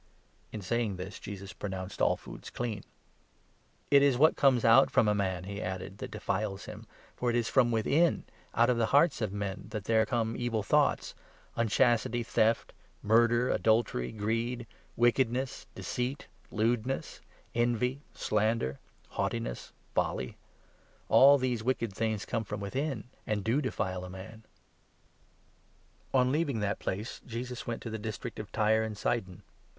— in saying this Jesus pronounced all food 'clean.' " It is what comes out from a man," he added, "that defiles him, for it is from within, out of the hearts of men, that there come evil thoughts — unchastity, theft, murder, adultery, greed, wickedness, deceit, lewdness, envy, slander, haughti ness, folly ; all these wicked things come from within, and do defile a man." cure or * ®n living tnat place, Jesus went to the dis syrinn Giri trict of Tyre and Sidon.